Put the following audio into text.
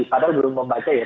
padahal belum membaca ya